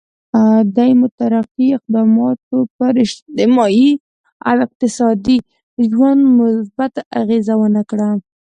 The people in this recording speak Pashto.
دې مترقي اقداماتو پر اجتماعي او اقتصادي ژوند مثبته اغېزه ونه کړه.